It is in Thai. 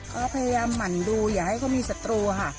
ก็พยายามหมั่นดูอยากให้เขามีศัตรูค่ะ